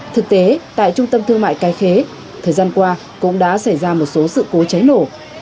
thực tế tại trung tâm thương mại cái khế thời gian qua cũng đã xảy ra một số sự cố cháy nổ